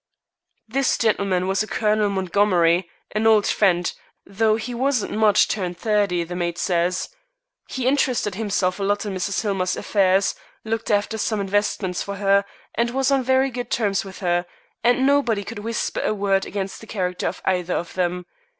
"This gentleman was a Colonel Montgomery an old friend though he wasn't much turned thirty, the maid says. He interested himself a lot in Mrs. Hillmer's affairs, looked after some investments for her, and was on very good terms with her, and nobody could whisper a word against the character of either of them.